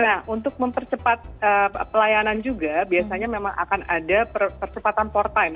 nah untuk mempercepat pelayanan juga biasanya memang akan ada percepatan port time